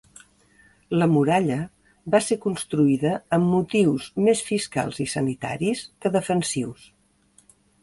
La muralla va ser construïda amb motius més fiscals i sanitaris que defensius.